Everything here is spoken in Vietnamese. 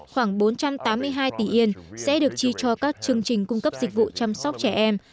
khoảng bốn trăm tám mươi hai tỷ yên sẽ được chi cho các chương trình cung cấp dịch vụ chăm sóc trẻ em